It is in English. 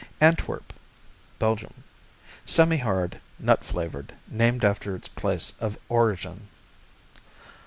Antwerp Belgium Semihard; nut flavored; named after its place of origin.